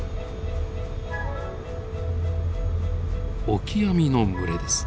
オキアミの群れです。